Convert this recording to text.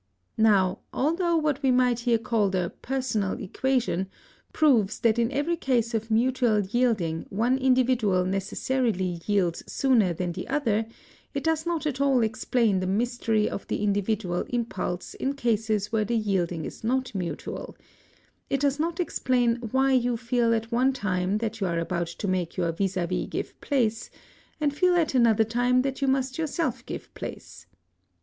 Now although what we might here call the "personal equation" proves that in every case of mutual yielding one individual necessarily yields sooner than the other, it does not at all explain the mystery of the individual impulse in cases where the yielding is not mutual; it does not explain why you feel at one time that you are about to make your vis à vis give place, and feel at another time that you must yourself give place.